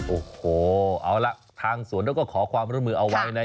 โอ้โหเอาละทางสวนเขาก็ขอความร่วมมือเอาไว้นะ